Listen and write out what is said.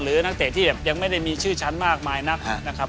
นักเตะที่แบบยังไม่ได้มีชื่อชั้นมากมายนักนะครับ